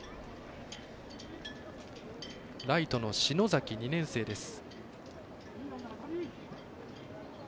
ライトの篠崎、２年生です。